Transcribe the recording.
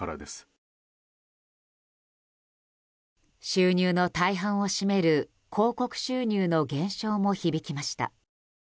収入の大半を占める広告収入の減少も響きました。